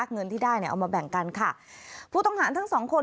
เงินที่ได้เนี่ยเอามาแบ่งกันค่ะผู้ต้องหาทั้งสองคน